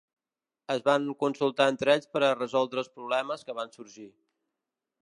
Es van consultar entre ells per a resoldre els problemes que van sorgir.